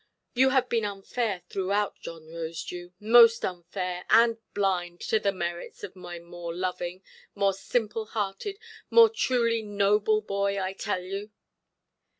You have been unfair throughout, John Rosedew, most unfair and blind to the merits of my more loving, more simple–hearted, more truly noble boy, I tell you".